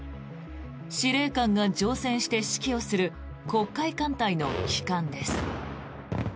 司令官が乗船して指揮をする黒海艦隊の旗艦です。